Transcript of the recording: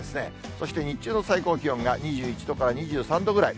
そして日中の最高気温が２１度から２３度ぐらい。